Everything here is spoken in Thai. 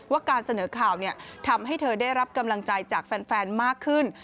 การเสนอข่าวทำให้เธอได้รับกำลังใจจากแฟนมากขึ้น